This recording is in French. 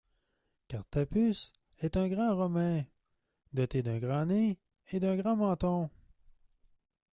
Cartapus est un grand romain, doté d'un grand nez et d'un grand menton.